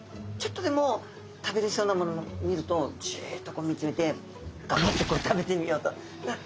ちょっとでも食べれそうなものを見るとジッと見つめてガブッと食べてみようと。